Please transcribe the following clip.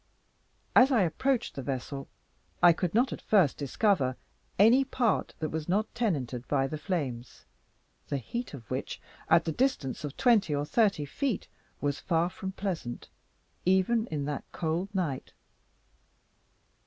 As I approached the vessel, I could not at first discover any part that was not tenanted by the flames, the heat of which, at the distance of twenty or thirty feet, was far from pleasant, even in that cold night.